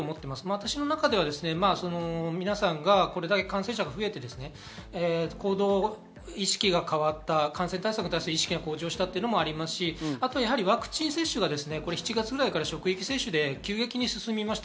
私の中で皆さんがこれだけ感染者が増えて、行動意識が変わった、感染対策の意識が向上したのもありますし、ワクチン接種が職域接種で急激に進みました。